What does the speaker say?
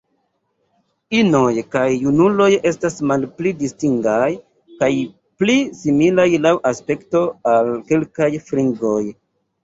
Inoj kaj junuloj estas malpli distingaj, kaj pli similaj laŭ aspekto al kelkaj fringoj.